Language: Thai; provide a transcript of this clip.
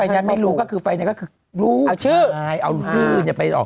ไม่ใช่ไฟนั้นไม่รู้ก็คือไฟนั้นก็คือลูกชายเอาชื่ออย่าไปออก